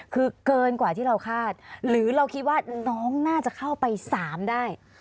คือเกินกว่าที่เราคาดหรือเราคิดว่าน้องน่าจะเข้าไป๓ได้